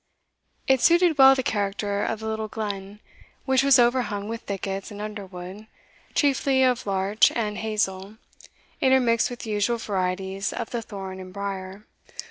It suited well the character of the little glen, which was overhung with thickets and underwood, chiefly of larch and hazel, intermixed with the usual varieties of the thorn and brier.